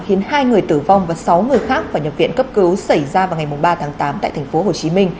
khiến hai người tử vong và sáu người khác phải nhập viện cấp cứu xảy ra vào ngày ba tháng tám tại tp hcm